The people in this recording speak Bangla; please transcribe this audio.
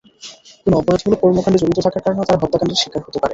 কোনো অপরাধমূলক কর্মকাণ্ডে জড়িত থাকার কারণে তাঁরা হত্যাকাণ্ডের শিকার হতে পারেন।